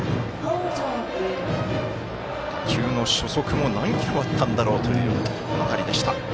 打球の初速も何キロあったんだろうという当たりでした。